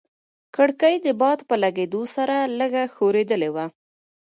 کړکۍ د باد په لګېدو سره لږه ښورېدلې وه.